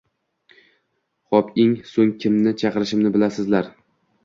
Hop eng so‘ng kimni chaqirishimni bilasizlar.